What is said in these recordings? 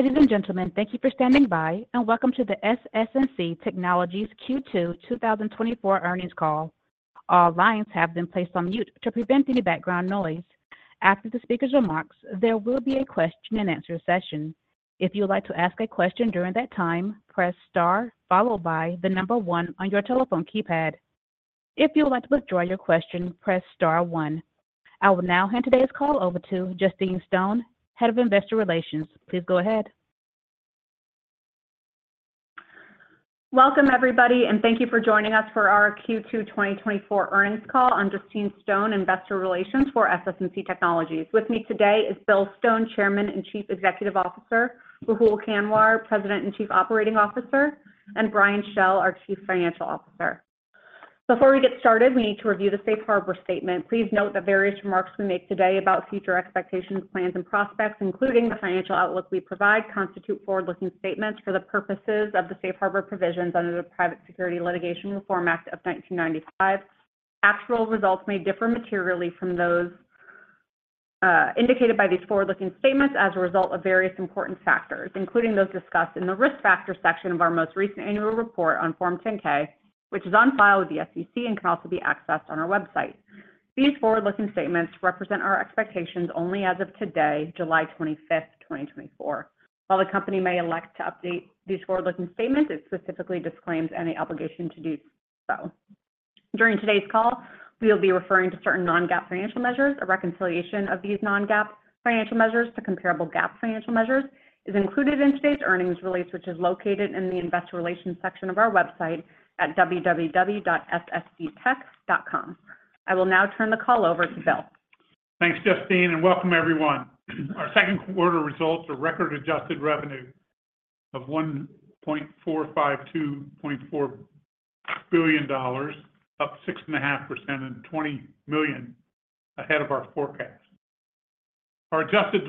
Ladies and gentlemen, thank you for standing by, and welcome to the SS&C Technologies Q2 2024 earnings call. All lines have been placed on mute to prevent any background noise. After the speaker's remarks, there will be a question and answer session. If you would like to ask a question during that time, press star followed by the number one on your telephone keypad. If you would like to withdraw your question, press star one. I will now hand today's call over to Justine Stone, Head of Investor Relations. Please go ahead. Welcome, everybody, and thank you for joining us for our Q2 2024 earnings call. I'm Justine Stone, Investor Relations for SS&C Technologies. With me today is Bill Stone, Chairman and Chief Executive Officer, Rahul Kanwar, President and Chief Operating Officer, and Brian Schell, our Chief Financial Officer. Before we get started, we need to review the safe harbor statement. Please note that various remarks we make today about future expectations, plans, and prospects, including the financial outlook we provide, constitute forward-looking statements for the purposes of the safe harbor provisions under the Private Securities Litigation Reform Act of 1995. Actual results may differ materially from those indicated by these forward-looking statements as a result of various important factors, including those discussed in the risk factors section of our most recent annual report on Form 10-K, which is on file with the SEC and can also be accessed on our website. These forward-looking statements represent our expectations only as of today, July 25, 2024. While the company may elect to update these forward-looking statements, it specifically disclaims any obligation to do so. During today's call, we will be referring to certain non-GAAP financial measures. A reconciliation of these non-GAAP financial measures to comparable GAAP financial measures is included in today's earnings release, which is located in the investor relations section of our website at www.ssctech.com. I will now turn the call over to Bill. Thanks, Justine, and welcome everyone. Our second quarter results are record adjusted revenue of $1.452 billion, up 6.5% and $20 million ahead of our forecast. Our adjusted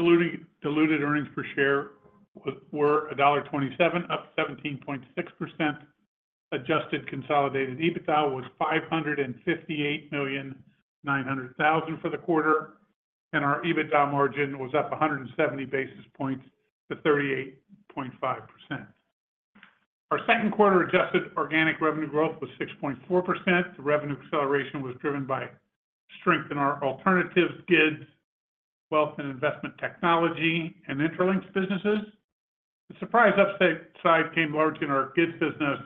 diluted earnings per share was $1.27, up 17.6%. Adjusted consolidated EBITDA was $558.9 million for the quarter, and our EBITDA margin was up 170 basis points to 38.5%. Our second quarter adjusted organic revenue growth was 6.4%. The revenue acceleration was driven by strength in our alternatives, GIDS, wealth and investment technology, and Intralinks businesses. The surprise upside came largely in our GIDS business,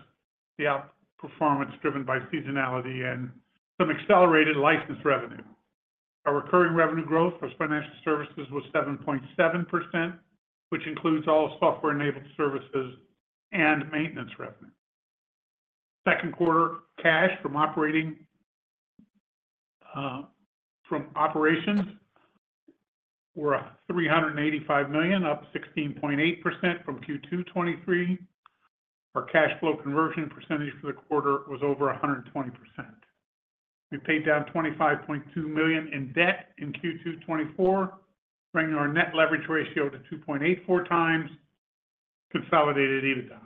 the outperformance driven by seasonality and some accelerated license revenue. Our recurring revenue growth for financial services was 7.7%, which includes all software-enabled services and maintenance revenue. Second quarter cash from operating, from operations were $385 million, up 16.8% from Q2 2023. Our cash flow conversion percentage for the quarter was over 120%. We paid down $25.2 million in debt in Q2 2024, bringing our net leverage ratio to 2.84 times consolidated EBITDA.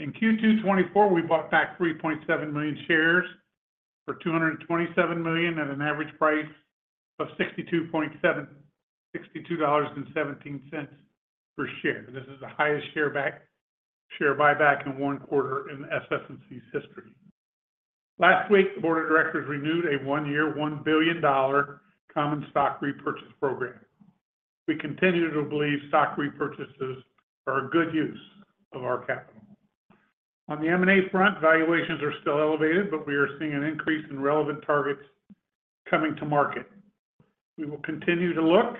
In Q2 2024, we bought back 3.7 million shares for $227 million at an average price of $62.17 per share. This is the highest share buyback in one quarter in SS&C's history. Last week, the board of directors renewed a one-year, $1 billion common stock repurchase program. We continue to believe stock repurchases are a good use of our capital. On the M&A front, valuations are still elevated, but we are seeing an increase in relevant targets coming to market. We will continue to look,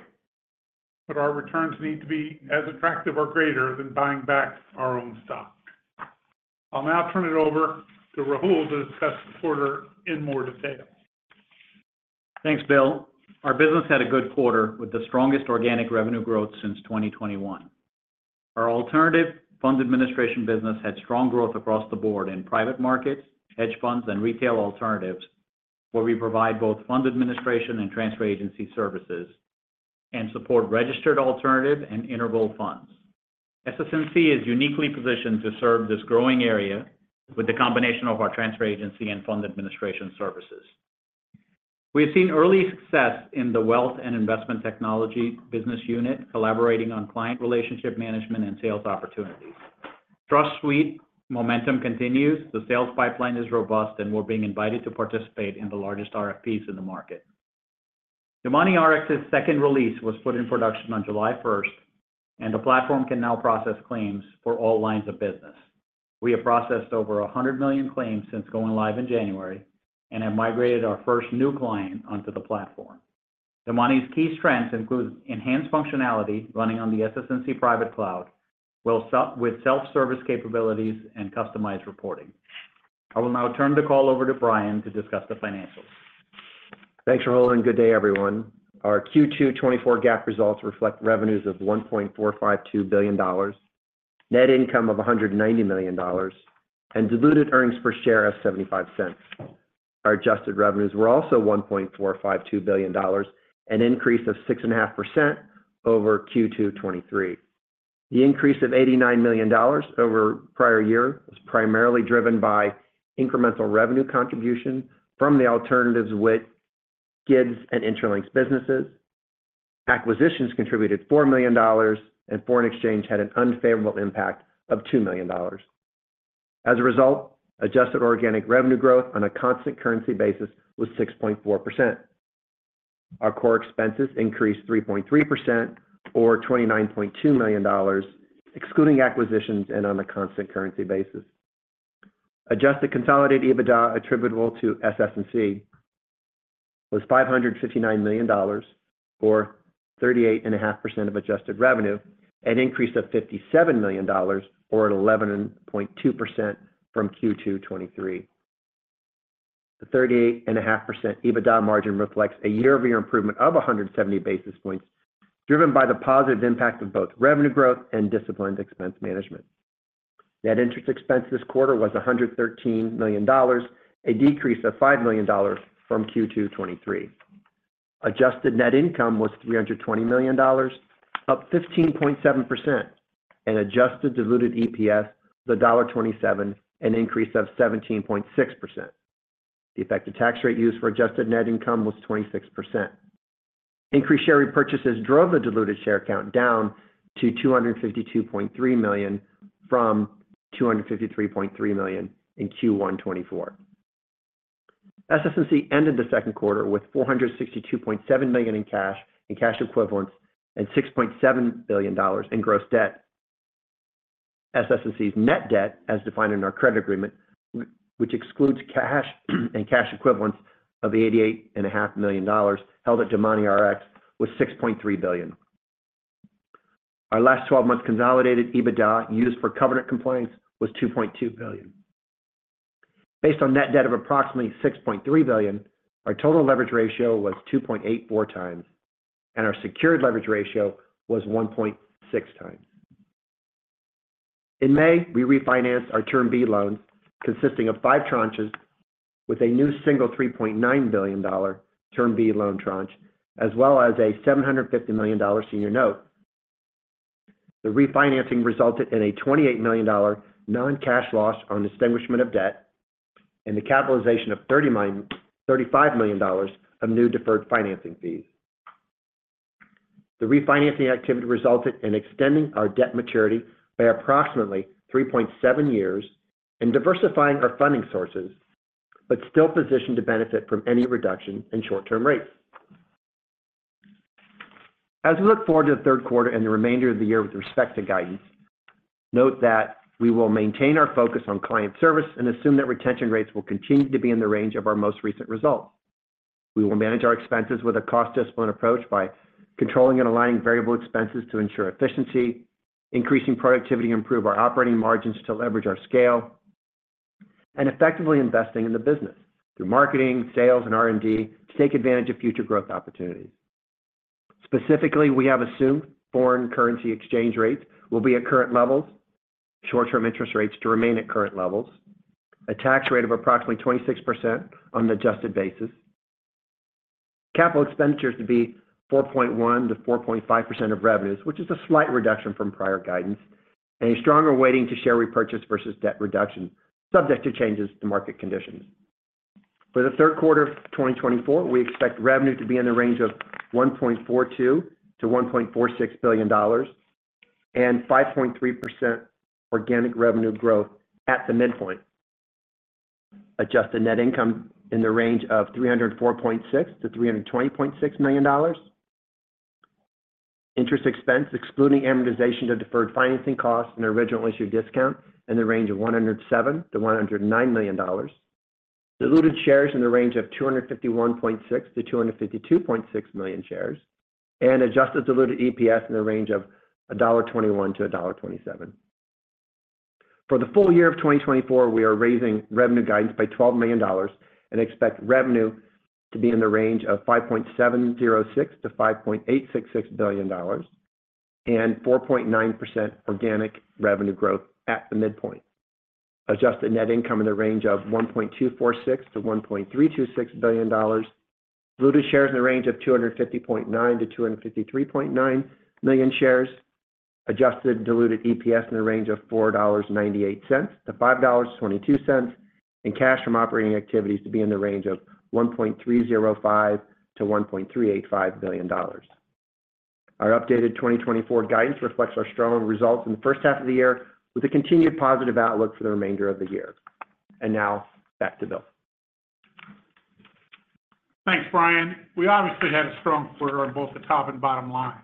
but our returns need to be as attractive or greater than buying back our own stock. I'll now turn it over to Rahul to discuss the quarter in more detail. Thanks, Bill. Our business had a good quarter with the strongest organic revenue growth since 2021. Our alternative fund administration business had strong growth across the board in private markets, hedge funds, and retail alternatives, where we provide both fund administration and transfer agency services and support registered alternative and interval funds. SS&C is uniquely positioned to serve this growing area with the combination of our transfer agency and fund administration services. We have seen early success in the Wealth and Investment Technologies business unit, collaborating on client relationship management and sales opportunities. Trust Suite momentum continues. The sales pipeline is robust, and we're being invited to participate in the largest RFPs in the market. DomaniRx's second release was put in production on July 1, and the platform can now process claims for all lines of business. We have processed over 100 million claims since going live in January and have migrated our first new client onto the platform. Domani's key strengths includes enhanced functionality running on the SS&C private cloud, well supported with self-service capabilities and customized reporting. I will now turn the call over to Brian to discuss the financials. Thanks, Rahul, and good day, everyone. Our Q2 2024 GAAP results reflect revenues of $1.452 billion, net income of $190 million, and diluted earnings per share of $0.75. Our adjusted revenues were also $1.452 billion, an increase of 6.5% over Q2 2023. The increase of $89 million over prior year was primarily driven by incremental revenue contribution from the alternatives within GIDS and Intralinks businesses. Acquisitions contributed $4 million, and foreign exchange had an unfavorable impact of $2 million. As a result, adjusted organic revenue growth on a constant currency basis was 6.4%. Our core expenses increased 3.3% or $29.2 million, excluding acquisitions and on a constant currency basis. Adjusted Consolidated EBITDA attributable to SS&C was $559 million, or 38.5% of adjusted revenue, an increase of $57 million, or 11.2% from Q2 2023. The 38.5% EBITDA margin reflects a year-over-year improvement of 170 basis points, driven by the positive impact of both revenue growth and disciplined expense management. Net interest expense this quarter was $113 million, a decrease of $5 million from Q2 2023. Adjusted net income was $320 million, up 15.7%, and adjusted diluted EPS was $1.27, an increase of 17.6%. The effective tax rate used for adjusted net income was 26%. Increased share repurchases drove the diluted share count down to 252.3 million from 253.3 million in Q1 2024. SS&C ended the second quarter with $462.7 million in cash and cash equivalents, and $6.7 billion in gross debt. SS&C's net debt, as defined in our credit agreement, which excludes cash and cash equivalents of $88.5 million, held at DomaniRx, was $6.3 billion. Our last twelve months consolidated EBITDA used for covenant compliance was $2.2 billion. Based on net debt of approximately $6.3 billion, our total leverage ratio was 2.84 times, and our secured leverage ratio was 1.6 times. In May, we refinanced our Term B loan, consisting of five tranches, with a new single $3.9 billion Term B loan tranche, as well as a $750 million senior note. The refinancing resulted in a $28 million non-cash loss on extinguishment of debt and the capitalization of $35 million of new deferred financing fees. The refinancing activity resulted in extending our debt maturity by approximately 3.7 years and diversifying our funding sources, but still positioned to benefit from any reduction in short-term rates. As we look forward to the third quarter and the remainder of the year with respect to guidance, note that we will maintain our focus on client service and assume that retention rates will continue to be in the range of our most recent results. We will manage our expenses with a cost discipline approach by controlling and aligning variable expenses to ensure efficiency, increasing productivity and improve our operating margins to leverage our scale, and effectively investing in the business through marketing, sales, and R&D to take advantage of future growth opportunities. Specifically, we have assumed foreign currency exchange rates will be at current levels, short-term interest rates to remain at current levels, a tax rate of approximately 26% on an adjusted basis, capital expenditures to be 4.1%-4.5% of revenues, which is a slight reduction from prior guidance, and a stronger weighting to share repurchase versus debt reduction, subject to changes to market conditions. For the third quarter of 2024, we expect revenue to be in the range of $1.42 billion-$1.46 billion, and 5.3% organic revenue growth at the midpoint. Adjusted net income in the range of $304.6 million-$320.6 million. Interest expense, excluding amortization of deferred financing costs and original issue discount, in the range of $107 million-$109 million. Diluted shares in the range of 251.6 million-252.6 million shares, and adjusted diluted EPS in the range of $1.21-$1.27. For the full year of 2024, we are raising revenue guidance by $12 million and expect revenue to be in the range of $5.706 billion-$5.866 billion and 4.9% organic revenue growth at the midpoint. Adjusted net income in the range of $1.246 billion-$1.326 billion. Diluted shares in the range of 250.9 million-253.9 million shares. Adjusted diluted EPS in the range of $4.98-$5.22, and cash from operating activities to be in the range of $1.305 billion-$1.385 billion. Our updated 2024 guidance reflects our strong results in the first half of the year, with a continued positive outlook for the remainder of the year. And now, back to Bill. Thanks, Brian. We obviously had a strong quarter on both the top and bottom line.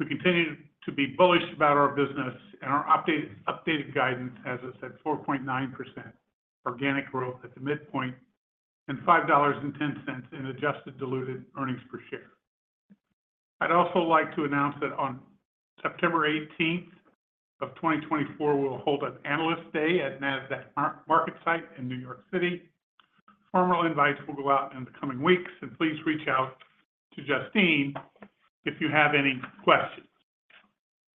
We continue to be bullish about our business and our updated, updated guidance, as I said, 4.9% organic growth at the midpoint and $5.10 in adjusted diluted earnings per share. I'd also like to announce that on September 18th of 2024, we'll hold an Analyst Day at Nasdaq MarketSite in New York City. Formal invites will go out in the coming weeks, and please reach out to Justine if you have any questions.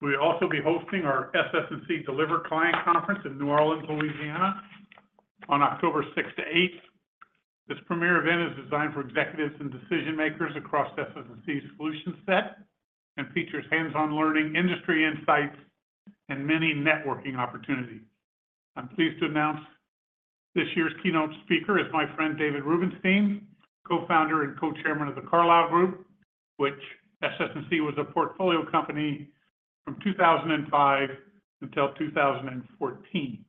We'll also be hosting our SS&C Deliver Client Conference in New Orleans, Louisiana, on October 6th to 8th. This premier event is designed for executives and decision-makers across SS&C's solution set and features hands-on learning, industry insights, and many networking opportunities.... I'm pleased to announce this year's keynote speaker is my friend David Rubenstein, co-founder and co-chairman of The Carlyle Group, which SS&C was a portfolio company from 2005 until 2014.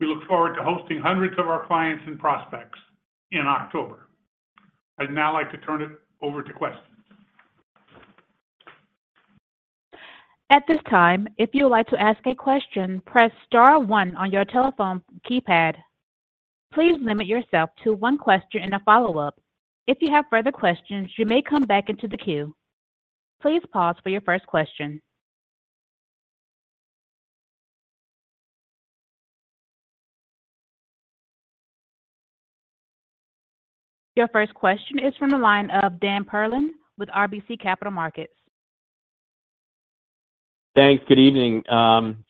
We look forward to hosting hundreds of our clients and prospects in October. I'd now like to turn it over to questions. At this time, if you would like to ask a question, press star one on your telephone keypad. Please limit yourself to one question and a follow-up. If you have further questions, you may come back into the queue. Please pause for your first question. Your first question is from the line of Dan Perlin with RBC Capital Markets. Thanks. Good evening.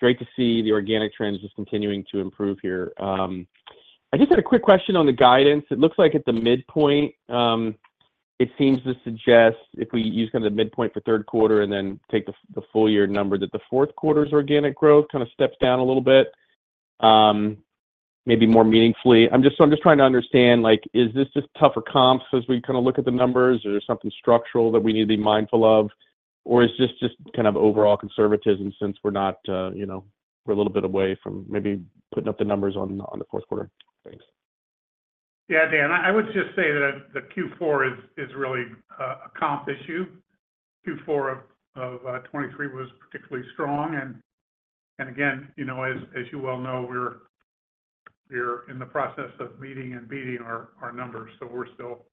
Great to see the organic trends just continuing to improve here. I just had a quick question on the guidance. It looks like at the midpoint, it seems to suggest if we use kind of the midpoint for third quarter and then take the full year number, that the fourth quarter's organic growth kind of steps down a little bit, maybe more meaningfully. So I'm just trying to understand, like, is this just tougher comps as we kind of look at the numbers, or is there something structural that we need to be mindful of? Or is this just kind of overall conservatism since we're not, you know, we're a little bit away from maybe putting up the numbers on the fourth quarter? Thanks. Yeah, Dan, I would just say that the Q4 is really a comp issue. Q4 of 2023 was particularly strong, and again, you know, as you well know, we're in the process of meeting and beating our numbers, so we're still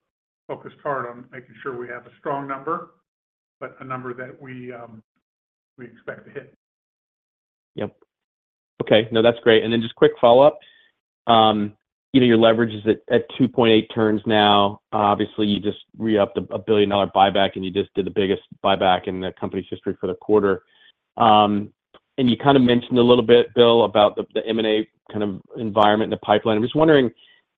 focused hard on making sure we have a strong number, but a number that we expect to hit. Yep. Okay. No, that's great. And then just quick follow-up. You know, your leverage is at 2.8 turns now. Obviously, you just re-upped a billion-dollar buyback, and you just did the biggest buyback in the company's history for the quarter. And you kind of mentioned a little bit, Bill, about the M&A kind of environment in the pipeline. I'm just wondering,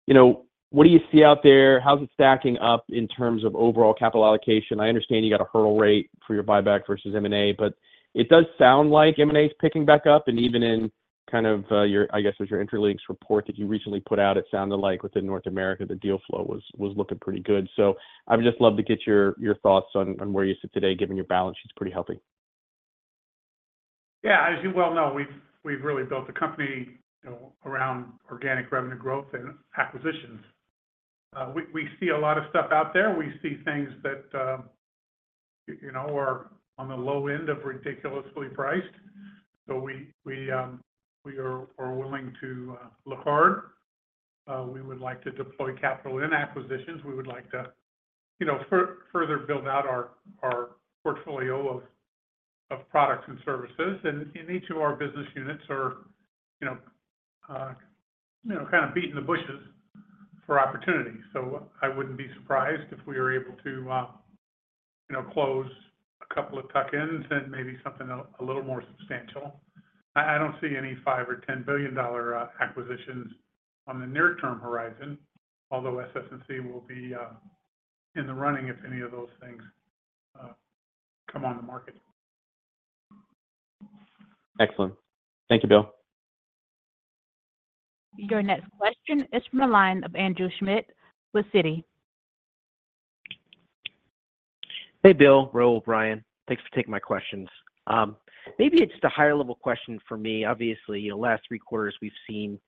you know, what do you see out there? How's it stacking up in terms of overall capital allocation? I understand you got a hurdle rate for your buyback versus M&A, but it does sound like M&A is picking back up, and even in kind of, your, I guess, it's your Intralinks report that you recently put out, it sounded like within North America, the deal flow was looking pretty good. So I would just love to get your thoughts on where you sit today, given your balance sheet's pretty healthy. Yeah, as you well know, we've really built the company, you know, around organic revenue growth and acquisitions. We see a lot of stuff out there. We see things that, you know, are on the low end of ridiculously priced. So we are willing to look hard. We would like to deploy capital in acquisitions. We would like to, you know, further build out our portfolio of products and services. And each of our business units are, you know, kind of beating the bushes for opportunities. So I wouldn't be surprised if we are able to, you know, close a couple of tuck-ins and maybe something a little more substantial. I don't see any $5 billion or $10 billion acquisitions on the near-term horizon, although SS&C will be in the running if any of those things come on the market. Excellent. Thank you, Bill. Your next question is from the line of Andrew Schmidt with Citi. Hey, Bill, Rahul, Brian. Thanks for taking my questions. Maybe it's just a higher level question for me. Obviously, the last three quarters we've seen,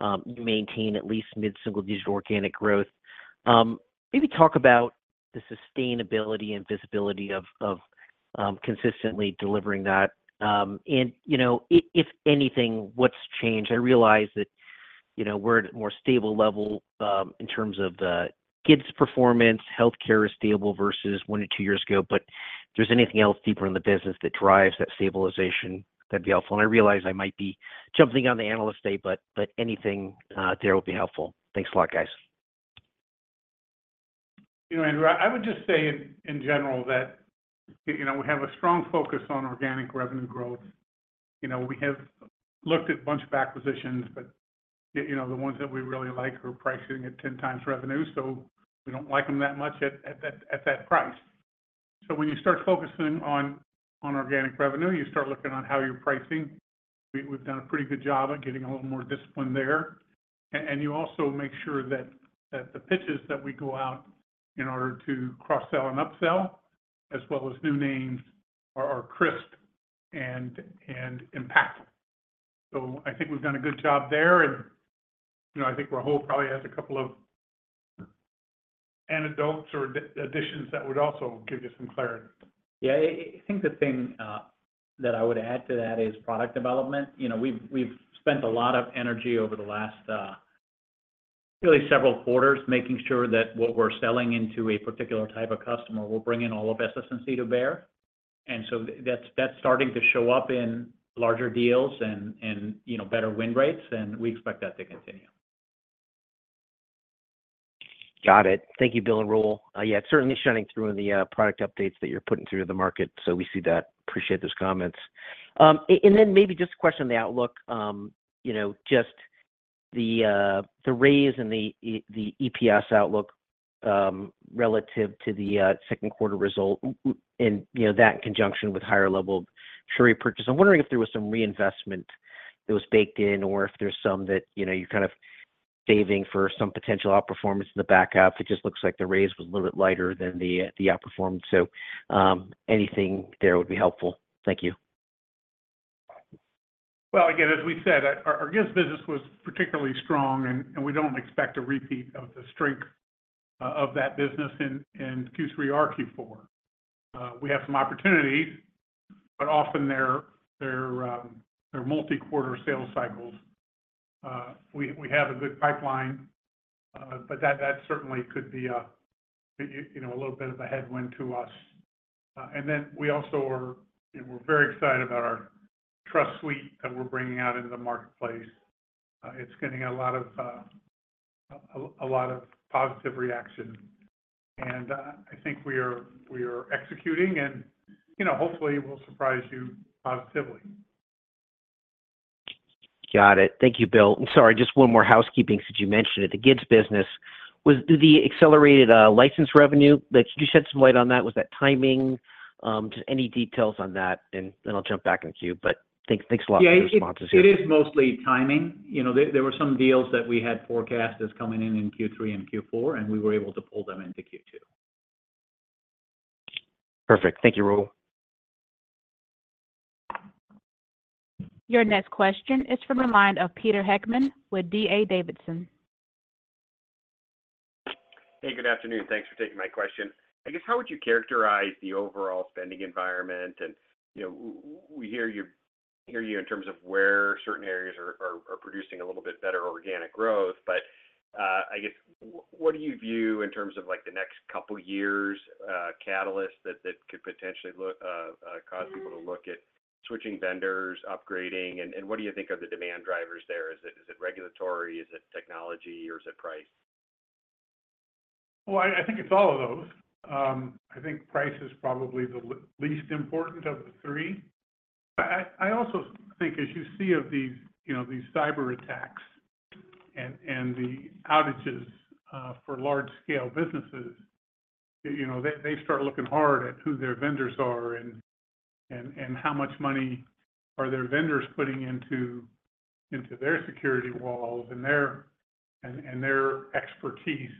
you maintain at least mid-single-digit organic growth. Maybe talk about the sustainability and visibility of consistently delivering that. And, you know, if anything, what's changed? I realize that, you know, we're at a more stable level, in terms of the Eze's performance, healthcare is stable versus one to two years ago. But if there's anything else deeper in the business that drives that stabilization, that'd be helpful. And I realize I might be jumping on the Analyst Day, but anything there will be helpful. Thanks a lot, guys. You know, Andrew, I would just say in general that, you know, we have a strong focus on organic revenue growth. You know, we have looked at a bunch of acquisitions, but, you know, the ones that we really like are pricing at 10x revenue, so we don't like them that much at that price. So when you start focusing on organic revenue, you start looking on how you're pricing. We've done a pretty good job at getting a little more discipline there. And you also make sure that the pitches that we go out in order to cross-sell and up-sell, as well as new names, are crisp and impactful. So I think we've done a good job there, and, you know, I think Rahul probably has a couple of anecdotes or additions that would also give you some clarity. Yeah, I think the thing that I would add to that is product development. You know, we've spent a lot of energy over the last, really several quarters, making sure that what we're selling into a particular type of customer will bring in all of SS&C to bear. And so that's starting to show up in larger deals and, you know, better win rates, and we expect that to continue. Got it. Thank you, Bill and Rahul. Yeah, it's certainly shining through in the product updates that you're putting through the market, so we see that. Appreciate those comments. And then maybe just a question on the outlook. You know, just the raise and the EPS outlook relative to the second quarter result and, you know, that in conjunction with higher level share repurchase. I'm wondering if there was some reinvestment that was baked in, or if there's some that, you know, you're kind of saving for some potential outperformance in the back half. It just looks like the raise was a little bit lighter than the outperformance. So, anything there would be helpful. Thank you. Well, again, as we said, our GIDS business was particularly strong, and we don't expect a repeat of the strength of that business in Q3 or Q4. We have some opportunities, but often they're multi-quarter sales cycles. We have a good pipeline, but that certainly could be a, you know, a little bit of a headwind to us. And then we also are... You know, we're very excited about our trust suite that we're bringing out into the marketplace. It's getting a lot of positive reaction. And I think we are executing and, you know, hopefully, we'll surprise you positively. Got it. Thank you, Bill. Sorry, just one more housekeeping since you mentioned it. The GIDS business, was the accelerated license revenue, that... Could you shed some light on that? Was that timing? Just any details on that, and then I'll jump back in the queue. But thanks, thanks a lot for your responses here. Yeah, it is mostly timing. You know, there were some deals that we had forecast as coming in in Q3 and Q4, and we were able to pull them into Q2. Perfect. Thank you, Rahul. Your next question is from the line of Peter Heckman with D.A. Davidson. Hey, good afternoon. Thanks for taking my question. I guess, how would you characterize the overall spending environment? And, you know, we hear you in terms of where certain areas are producing a little bit better organic growth. But, I guess, what do you view in terms of, like, the next couple years, catalyst that could potentially cause people to look at switching vendors, upgrading? And, what do you think are the demand drivers there? Is it regulatory? Is it technology, or is it price? Well, I think it's all of those. I think price is probably the least important of the three. I also think, as you see of these, you know, these cyberattacks and the outages for large-scale businesses, you know, they start looking hard at who their vendors are and how much money are their vendors putting into their security walls and their expertise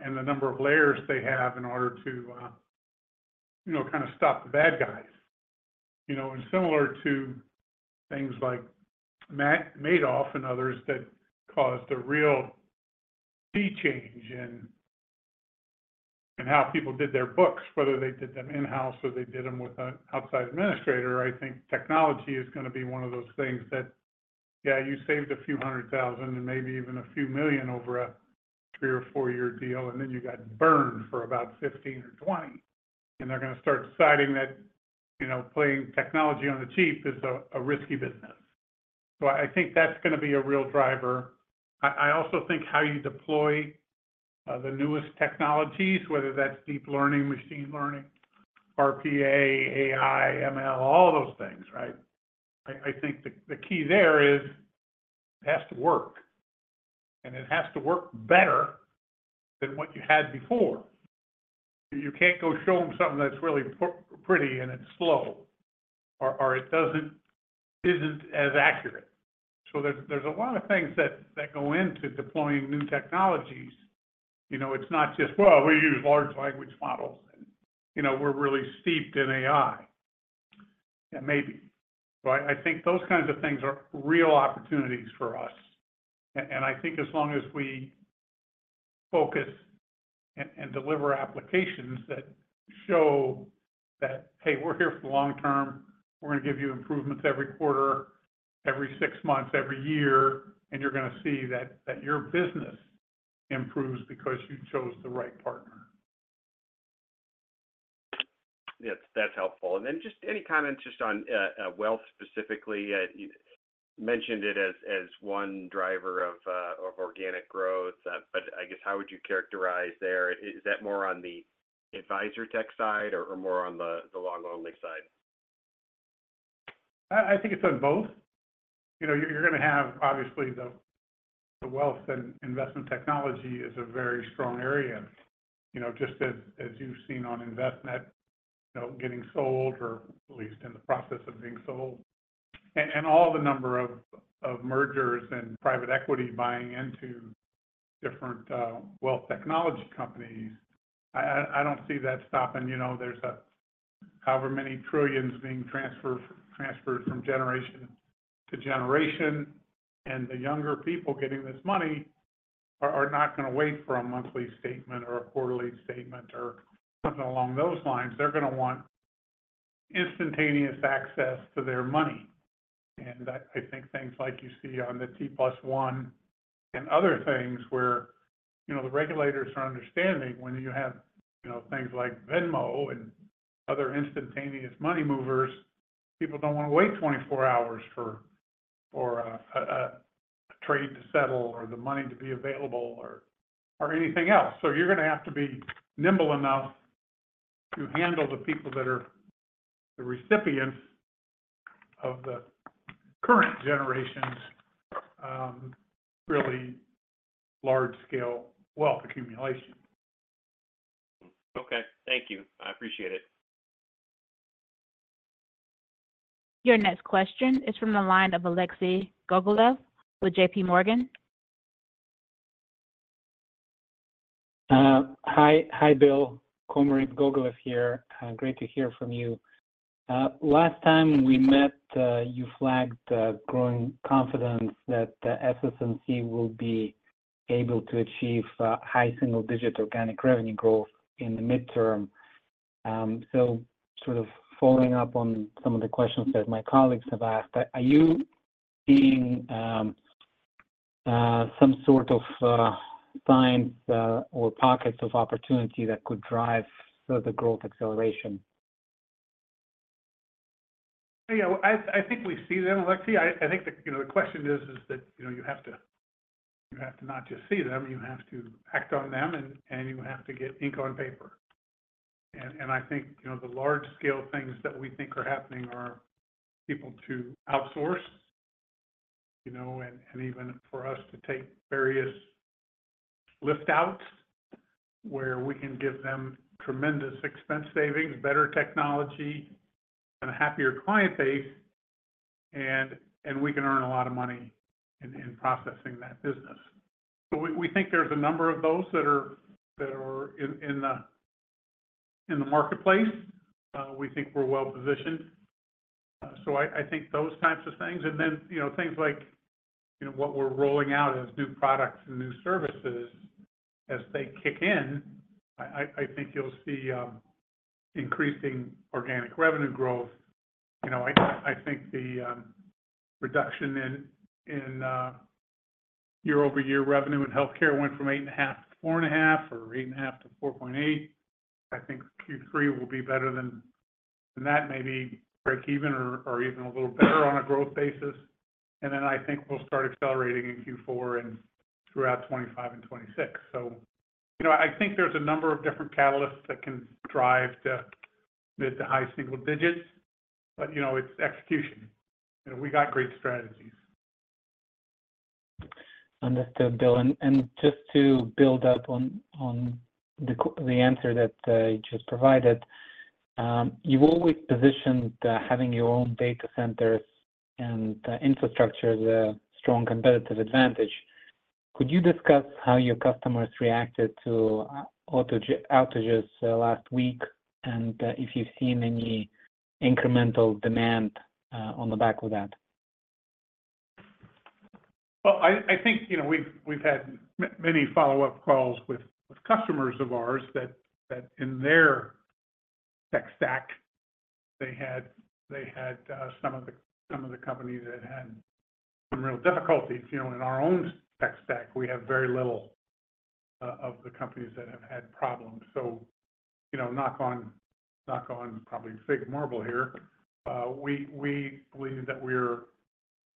and the number of layers they have in order to, you know, kind of stop the bad guys. You know, and similar to things like Madoff and others that caused a real sea change in how people did their books, whether they did them in-house or they did them with an outside administrator. I think technology is gonna be one of those things that, yeah, you saved a few 100,000 and maybe even a few million over a 3- or 4-year deal, and then you got burned for about 15 or 20. And they're gonna start deciding that, you know, playing technology on the cheap is a risky business. So I think that's gonna be a real driver. I also think how you deploy the newest technologies, whether that's deep learning, machine learning, RPA, AI, ML, all those things, right? I think the key there is, it has to work, and it has to work better than what you had before. You can't go show them something that's really pretty and it's slow or it isn't as accurate. So there's a lot of things that go into deploying new technologies. You know, it's not just, "Well, we use large language models, and, you know, we're really steeped in AI." Yeah, maybe. But I think those kinds of things are real opportunities for us. And I think as long as we focus and deliver applications that show that, "Hey, we're here for the long term. We're gonna give you improvements every quarter, every six months, every year, and you're gonna see that, that your business improves because you chose the right partner. Yes, that's helpful. And then, just any comments just on wealth specifically? You mentioned it as one driver of organic growth, but I guess, how would you characterize there? Is that more on the advisor tech side or more on the long-only side? I think it's on both. You know, you're gonna have, obviously, the wealth and investment technology is a very strong area. You know, just as you've seen on Envestnet, you know, getting sold or at least in the process of being sold, and all the number of mergers and private equity buying into different wealth technology companies. I don't see that stopping. You know, there's however many trillions being transferred from generation to generation, and the younger people getting this money are not gonna wait for a monthly statement or a quarterly statement or something along those lines. They're gonna want instantaneous access to their money. I think things like you see on the T+1 and other things where, you know, the regulators are understanding when you have, you know, things like Venmo and other instantaneous money movers, people don't wanna wait 24 hours for a trade to settle or the money to be available or anything else. So you're gonna have to be nimble enough to handle the people that are the recipients of the current generations' really large-scale wealth accumulation. Okay. Thank you. I appreciate it. Your next question is from the line of Alexei Gogolev with JPMorgan. Hi. Hi, Bill. Alexei Gogolev here. Great to hear from you. Last time we met, you flagged growing confidence that the SS&C will be able to achieve high single-digit organic revenue growth in the midterm. So sort of following up on some of the questions that my colleagues have asked, are you seeing some sort of signs or pockets of opportunity that could drive further growth acceleration? Yeah, I think we see them, Alexei. I think the question is that, you know, you have to not just see them, you have to act on them, and you have to get ink on paper. And I think, you know, the large-scale things that we think are happening are people to outsource, you know, and even for us to take various lift outs, where we can give them tremendous expense savings, better technology, and a happier client base, and we can earn a lot of money in processing that business. So we think there's a number of those that are in the marketplace. We think we're well positioned. So I think those types of things, and then, you know, things like, you know, what we're rolling out as new products and new services. As they kick in, I think you'll see increasing organic revenue growth. You know, I think the reduction in year-over-year revenue in healthcare went from 8.5% to 4.5%, or 8.5% to 4.8%. I think Q3 will be better than that, maybe break even or even a little better on a growth basis. And then I think we'll start accelerating in Q4 and throughout 2025 and 2026. So, you know, I think there's a number of different catalysts that can drive the mid- to high-single digits, but, you know, it's execution. You know, we got great strategies. Understood, Bill. And just to build up on the answer that you just provided. You've always positioned having your own data centers and infrastructure as a strong competitive advantage. Could you discuss how your customers reacted to outage, outages last week, and if you've seen any incremental demand on the back of that? Well, I think, you know, we've had many follow-up calls with customers of ours that in their tech stack, they had some of the companies that had some real difficulties. You know, in our own tech stack, we have very little of the companies that have had problems. So, you know, knock on wood. We believe that we're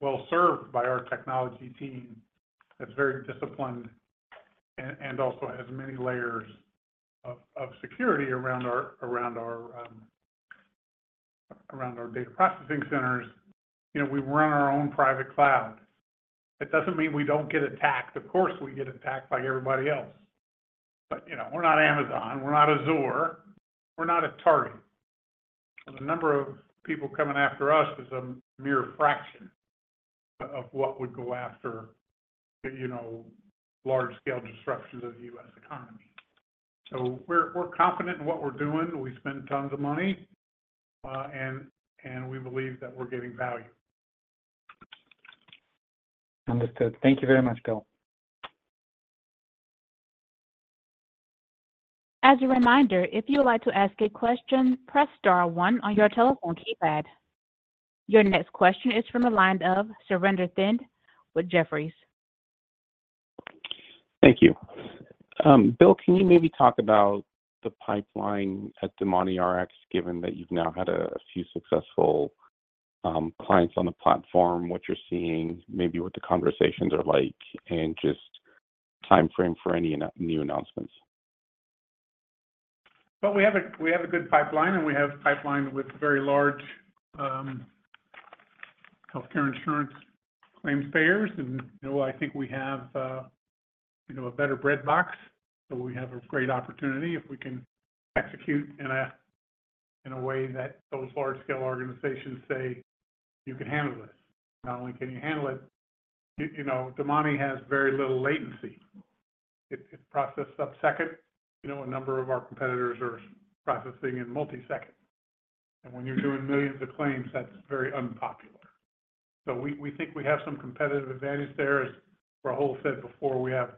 well served by our technology team that's very disciplined and also has many layers of security around our data processing centers. You know, we run our own private cloud. It doesn't mean we don't get attacked. Of course, we get attacked like everybody else. But, you know, we're not Amazon, we're not Azure, we're not a Target. So the number of people coming after us is a mere fraction of what would go after, you know, large-scale disruptions of the U.S. economy. So we're, we're confident in what we're doing. We spend tons of money, and we believe that we're getting value. Understood. Thank you very much, Bill. As a reminder, if you would like to ask a question, press star one on your telephone keypad. Your next question is from the line of Surinder Thind with Jefferies. Thank you. Bill, can you maybe talk about the pipeline at DomaniRx, given that you've now had a few successful clients on the platform, what you're seeing, maybe what the conversations are like, and just timeframe for any new announcements? Well, we have a good pipeline, and we have a pipeline with very large healthcare insurance claims payers. And, you know, I think we have, you know, a better breadbox, so we have a great opportunity if we can execute in a way that those large-scale organizations say, "You can handle this." Not only can you handle it, you know, Domani has very little latency. It processes subsecond. You know, a number of our competitors are processing in multisecond, and when you're doing millions of claims, that's very unpopular. So we think we have some competitive advantage there. As Rahul said before, we have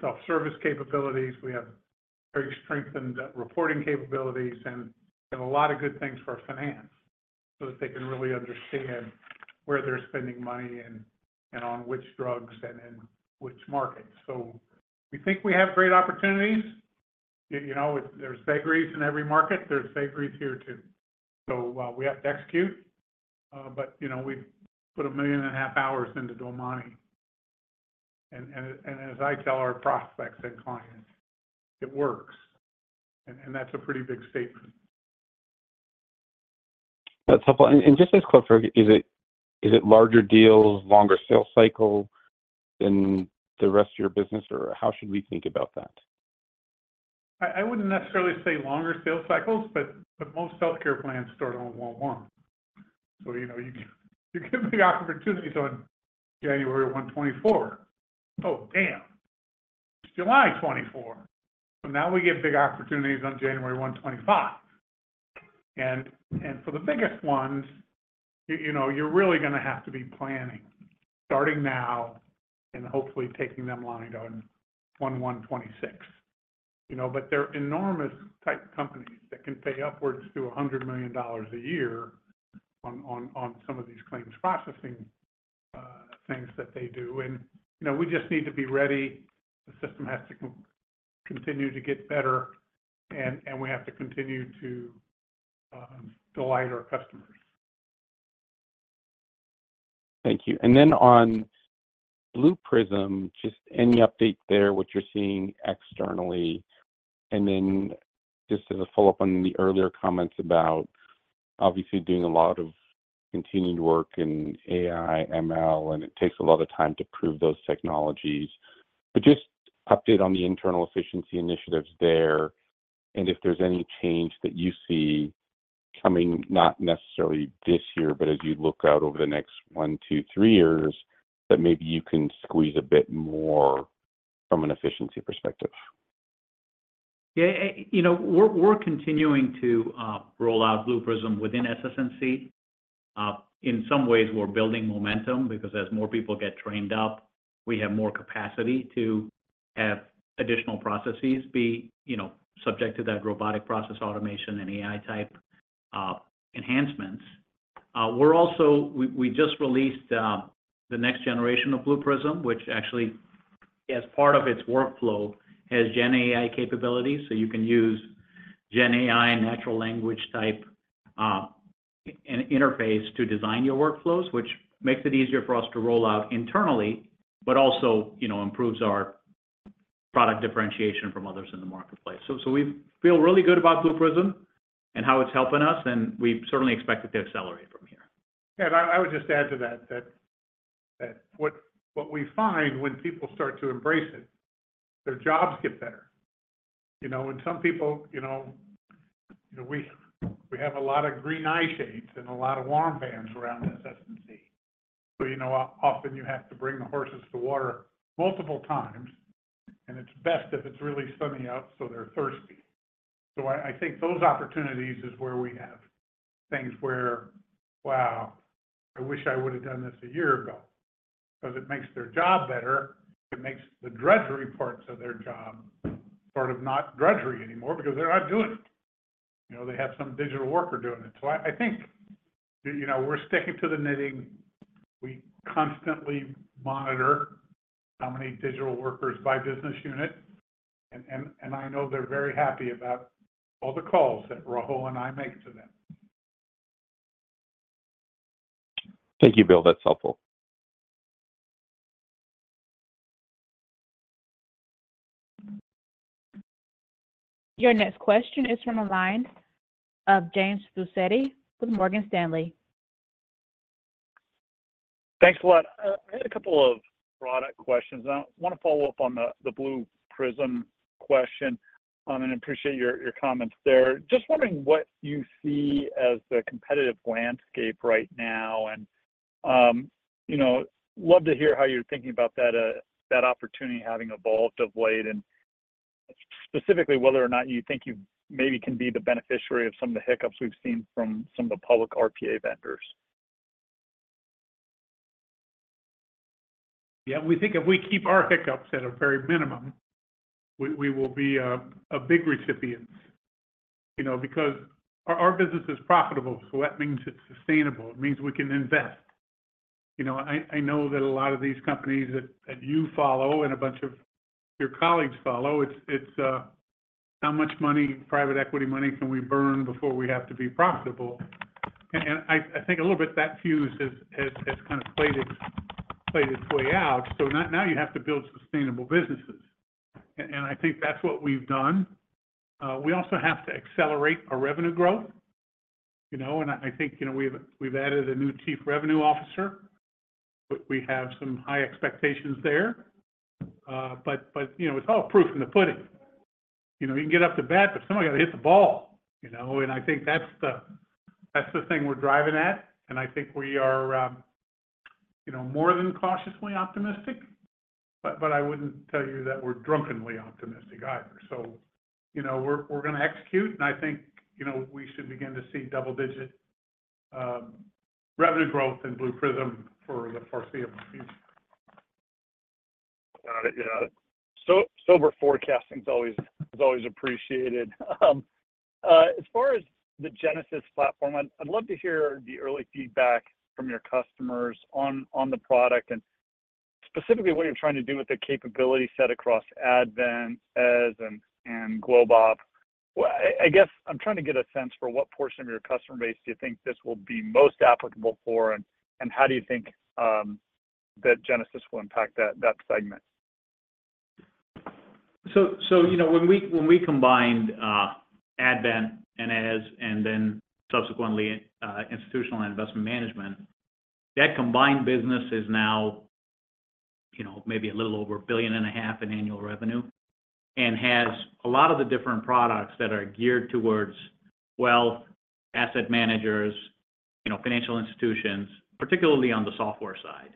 self-service capabilities, we have very strengthened reporting capabilities, and a lot of good things for finance, so that they can really understand where they're spending money and on which drugs and in which markets. So we think we have great opportunities. You know, there's Safeways in every market. There's Safeways here, too. So, we have to execute, but, you know, we've put 1.5 million hours into DomaniRx. And as I tell our prospects and clients, it works, and that's a pretty big statement. That's helpful. And just as a quick follow, is it larger deals, longer sales cycle than the rest of your business, or how should we think about that? I wouldn't necessarily say longer sales cycles, but most healthcare plans start on 1/1. So, you know, you get big opportunities on January 1, 2024. Oh, damn! It's July 2024, so now we get big opportunities on January 1, 2025. And, for the biggest ones, you know, you're really gonna have to be planning, starting now, and hopefully taking them live on 1/1/2026. You know, but they're enormous type companies that can pay upwards to $100 million a year on some of these claims processing things that they do. And, you know, we just need to be ready. The system has to continue to get better, and we have to continue to delight our customers. Thank you. And then on Blue Prism, just any update there, what you're seeing externally? And then just as a follow-up on the earlier comments about obviously doing a lot of continued work in AI, ML, and it takes a lot of time to prove those technologies. But just update on the internal efficiency initiatives there, and if there's any change that you see coming, not necessarily this year, but as you look out over the next one, two, three years, that maybe you can squeeze a bit more from an efficiency perspective. Yeah, you know, we're continuing to roll out Blue Prism within SS&C. In some ways, we're building momentum because as more people get trained up, we have more capacity to have additional processes be, you know, subject to that robotic process automation and AI type enhancements. We're also—we just released the next generation of Blue Prism, which actually, as part of its workflow, has Gen AI capabilities. So you can use Gen AI natural language type interface to design your workflows, which makes it easier for us to roll out internally, but also, you know, improves our product differentiation from others in the marketplace. So we feel really good about Blue Prism and how it's helping us, and we certainly expect it to accelerate from here. And I would just add to that, what we find when people start to embrace it, their jobs get better. You know, and some people, you know, we have a lot of green eyeshades and a lot of warm bodies around SS&C. So, you know, often you have to bring the horses to water multiple times, and it's best if it's really sunny out, so they're thirsty. So I think those opportunities is where we have things where, "Wow, I wish I would have done this a year ago," 'cause it makes their job better. It makes the drudgery parts of their job sort of not drudgery anymore because they're not doing it. You know, they have some digital worker doing it. So I think, you know, we're sticking to the knitting. We constantly monitor how many digital workers by business unit, and I know they're very happy about all the calls that Rahul and I make to them. Thank you, Bill. That's helpful. Your next question is from the line of James Faucette with Morgan Stanley. Thanks a lot. I had a couple of product questions. I want to follow up on the Blue Prism question and appreciate your comments there. Just wondering what you see as the competitive landscape right now, and you know, love to hear how you're thinking about that opportunity having evolved of late, and specifically, whether or not you think you maybe can be the beneficiary of some of the hiccups we've seen from some of the public RPA vendors. Yeah, we think if we keep our hiccups at a very minimum, we will be a big recipient. You know, because our business is profitable, so that means it's sustainable. It means we can invest. You know, I know that a lot of these companies that you follow and a bunch of your colleagues follow, it's how much money, private equity money, can we burn before we have to be profitable? And I think a little bit that fuse has kind of played its way out, so now you have to build sustainable businesses. And I think that's what we've done. We also have to accelerate our revenue growth, you know, and I think, you know, we've added a new chief revenue officer, but we have some high expectations there. But, but, you know, it's all proof in the pudding. You know, you can get up to bat, but somebody got to hit the ball, you know? And I think that's the thing we're driving at, and I think we are, you know, more than cautiously optimistic, but, but I wouldn't tell you that we're drunkenly optimistic either. So, you know, we're gonna execute, and I think, you know, we should begin to see double-digit revenue growth in Blue Prism for the foreseeable future. Got it. Yeah. So, sober forecasting is always appreciated. As far as the Genesis platform, I'd love to hear the early feedback from your customers on the product, and specifically, what you're trying to do with the capability set across Advent, Eze and GlobeOp. Well, I guess I'm trying to get a sense for what portion of your customer base do you think this will be most applicable for, and how do you think that Genesis will impact that segment? So, you know, when we combined Advent and AS, and then subsequently institutional and investment management, that combined business is now, you know, maybe a little over $1.5 billion in annual revenue, and has a lot of the different products that are geared towards wealth, asset managers, you know, financial institutions, particularly on the software side.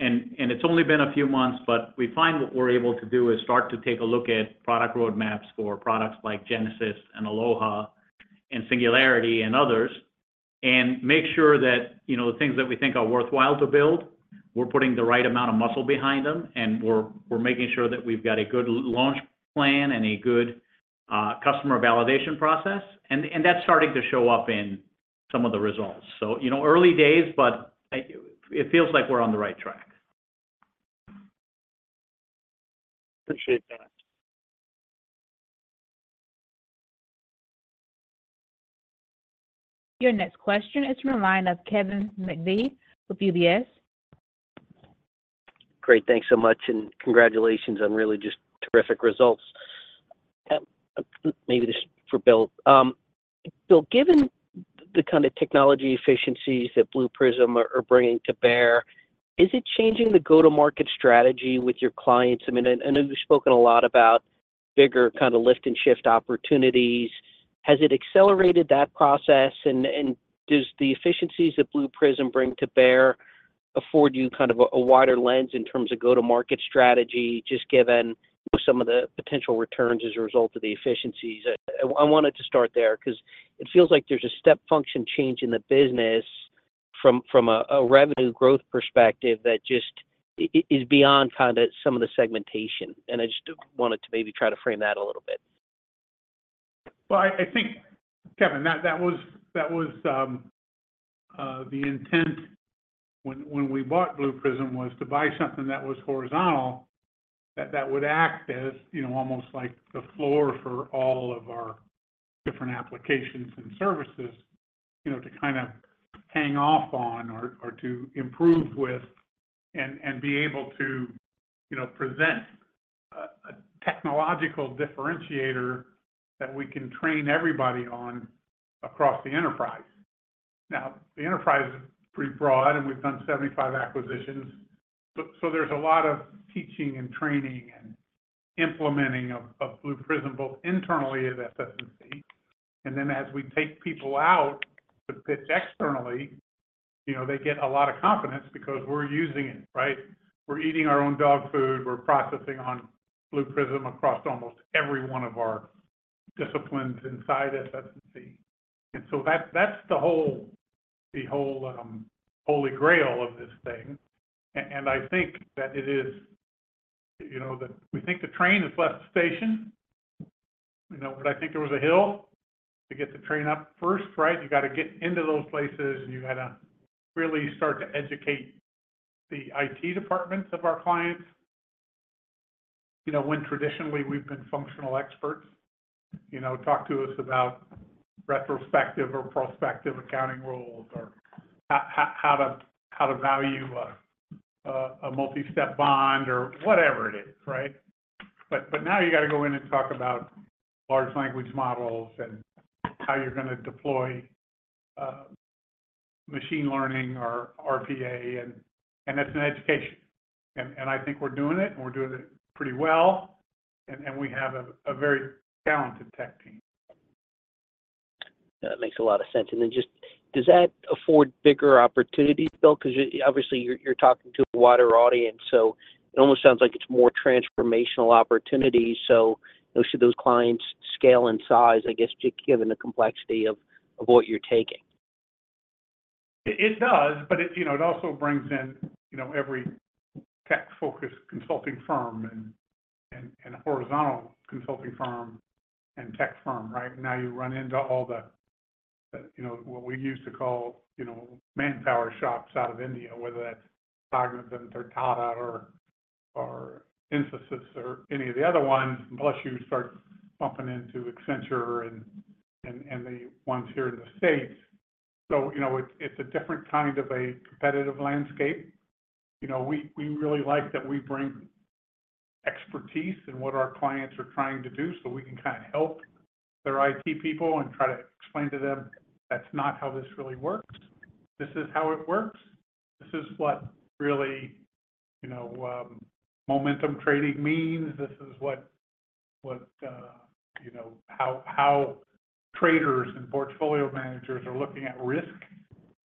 And it's only been a few months, but we find what we're able to do is start to take a look at product roadmaps for products like Genesis and Aloha, and Singularity and others, and make sure that, you know, the things that we think are worthwhile to build, we're putting the right amount of muscle behind them, and we're making sure that we've got a good launch plan and a good customer validation process. And that's starting to show up in some of the results. So, you know, early days, but it feels like we're on the right track. Appreciate that. Your next question is from the line of Kevin McVeigh with UBS. Great. Thanks so much, and congratulations on really just terrific results. Maybe this is for Bill. Bill, given the kind of technology efficiencies that Blue Prism are bringing to bear, is it changing the go-to-market strategy with your clients? I mean, and you've spoken a lot about bigger kind of lift and shift opportunities. Has it accelerated that process? And does the efficiencies that Blue Prism bring to bear afford you kind of a wider lens in terms of go-to-market strategy, just given some of the potential returns as a result of the efficiencies? I wanted to start there 'cause it feels like there's a step function change in the business from a revenue growth perspective that just is beyond kind of some of the segmentation. And I just wanted to maybe try to frame that a little bit. Well, I think, Kevin, that was the intent when we bought Blue Prism, was to buy something that was horizontal, that would act as, you know, almost like the floor for all of our different applications and services, you know, to kind of hang off on or to improve with and be able to, you know, present a technological differentiator that we can train everybody on across the enterprise. Now, the enterprise is pretty broad, and we've done 75 acquisitions, so there's a lot of teaching and training and implementing of Blue Prism, both internally at SS&C, and then as we take people out to pitch externally, you know, they get a lot of confidence because we're using it, right? We're eating our own dog food, we're processing on Blue Prism across almost every one of our disciplines inside SS&C. And so that's, that's the whole, the whole, holy grail of this thing. And I think that it is... You know, that we think the train has left the station. You know, but I think there was a hill to get the train up first, right? You got to get into those places, and you got to really start to educate the IT departments of our clients, you know, when traditionally we've been functional experts. You know, talk to us about retrospective or prospective accounting rules, or how to value a multi-step bond or whatever it is, right? But now you got to go in and talk about large language models and how you're gonna deploy machine learning or RPA, and that's an education. And I think we're doing it, and we're doing it pretty well, and we have a very talented tech team. That makes a lot of sense. And then just, does that afford bigger opportunities, Bill? Because obviously, you're talking to a wider audience, so it almost sounds like it's more transformational opportunities. So those clients' scale and size, I guess, given the complexity of what you're taking. It does, but it, you know, it also brings in, you know, every tech-focused consulting firm and, and, and horizontal consulting firm and tech firm, right? Now you run into all the, the, you know, what we used to call, you know, manpower shops out of India, whether that's Cognizant or Tata or, or Infosys, or any of the other ones, plus you start bumping into Accenture and, and, and the ones here in the States. So, you know, it's, it's a different kind of a competitive landscape. You know, we, we really like that we bring expertise in what our clients are trying to do, so we can kind of help their IT people and try to explain to them, "That's not how this really works. This is how it works. This is what really, you know, momentum trading means. This is you know how traders and portfolio managers are looking at risk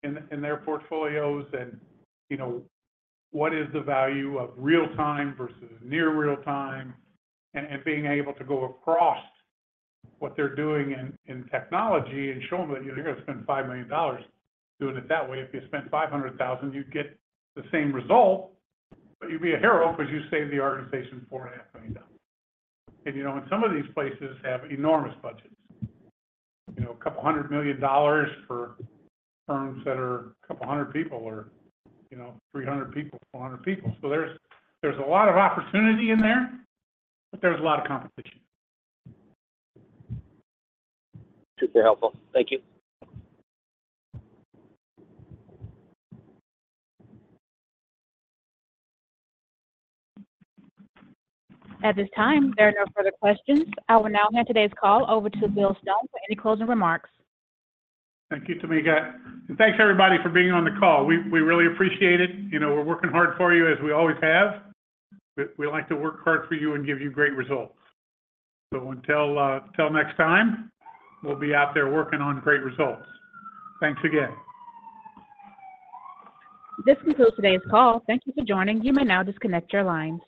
in their portfolios, and you know what is the value of real time versus near real time? And being able to go across what they're doing in technology and show them that, "You're going to spend $5 million doing it that way. If you spent $500,000, you'd get the same result, but you'd be a hero because you saved the organization $4.5 million." And you know and some of these places have enormous budgets. You know $200 million for firms that are 200 people or you know 300 people, 400 people. So there's a lot of opportunity in there, but there's a lot of competition. Super helpful. Thank you. At this time, there are no further questions. I will now hand today's call over to Bill Stone for any closing remarks. Thank you, Tamika. Thanks, everybody, for being on the call. We really appreciate it. You know, we're working hard for you as we always have. We like to work hard for you and give you great results. So until, till next time, we'll be out there working on great results. Thanks again. This concludes today's call. Thank you for joining. You may now disconnect your lines.